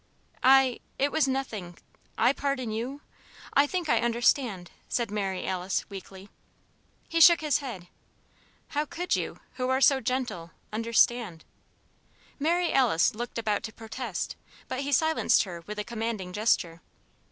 "I it was nothing I pardon you I think I understand," said Mary Alice, weakly. He shook his head. "How could you who are so gentle understand?" Mary Alice looked about to protest, but he silenced her with a commanding gesture.